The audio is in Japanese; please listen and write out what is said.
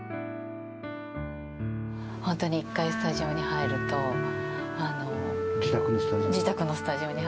本当に、一回スタジオに入ると、自宅のスタジオに？